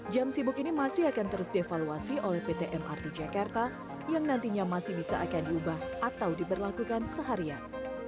jam sibuk ini masih akan terus dievaluasi oleh pt mrt jakarta yang nantinya masih bisa akan diubah atau diberlakukan seharian